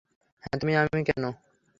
হ্যাঁ, তুমি আমি কেনো?